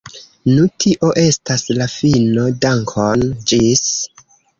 Nu tio estas la fino, dankon ĝis.